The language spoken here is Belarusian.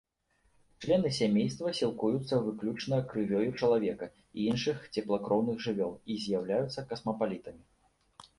Члены сямейства сілкуюцца выключна крывёю чалавека і іншых цеплакроўных жывёл і з'яўляюцца касмапалітамі.